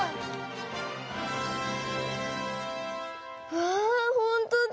わあほんとだ。